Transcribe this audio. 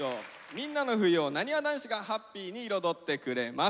みんなの冬をなにわ男子がハッピーに彩ってくれます。